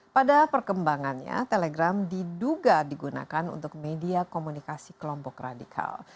pada perkembangannya telegram diduga digunakan untuk media komunikasi kelompok radikal